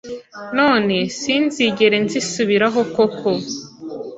None sinzigere nzisubiraho koko